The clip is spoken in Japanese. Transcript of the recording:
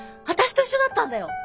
私と一緒だったんだよ。